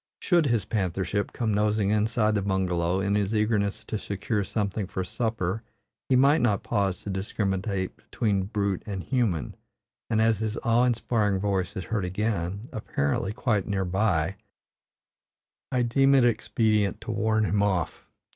Should his panthership come nosing inside the bungalow, in his eagerness to secure something for supper he might not pause to discriminate between brute and human; and as his awe inspiring voice is heard again, apparently quite near by, I deem it expedient to warn him off.